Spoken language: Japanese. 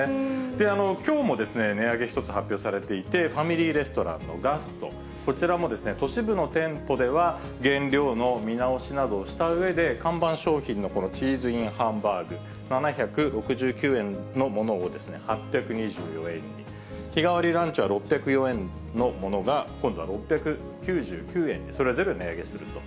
で、きょうも値上げ１つ発表されていて、ファミリーレストランのガスト、こちらも都市部の店舗では原料の見直しなどをしたうえで、看板商品のこのチーズＩＮハンバーグ、７６９円のものを８２４円に、日替わりランチは６０４円のものが今度は６９９円にそれぞれ値上げすると。